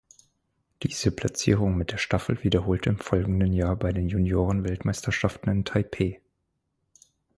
Diese Platzierung mit der Staffel wiederholte im folgenden Jahr bei den Juniorenweltmeisterschaften in Taipei.